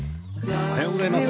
おはようございます。